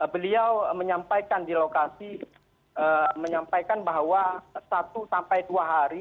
beliau menyampaikan di lokasi menyampaikan bahwa satu sampai dua hari